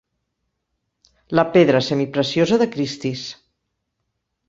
La pedra semipreciosa de Christie's.